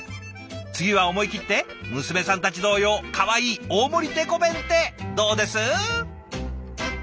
次は思い切って娘さんたち同様かわいい大盛りデコ弁ってどうです？